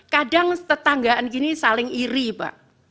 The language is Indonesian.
kadang tetanggaan gini saling iri pak